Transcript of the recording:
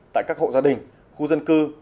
tại các hộ gia đình khu dân cư